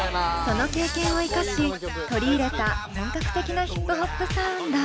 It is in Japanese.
その経験を生かし取り入れた本格的なヒップホップサウンド。